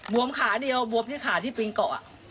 วมขาเดียวบวมที่ขาที่ปิงเกาะ